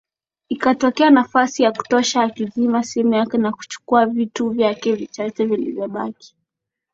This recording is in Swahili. Ikatokea nafasi ya kutosha akazima simu yake na kuchukua vitu vyake vichache vilivyobaki